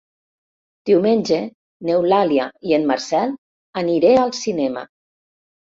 Diumenge n'Eulàlia i en Marcel aniré al cinema.